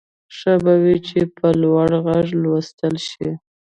ښه به وي چې په لوړ غږ ولوستل شي.